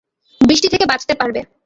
বৃষ্টি থেকে বাঁচতে পারবে।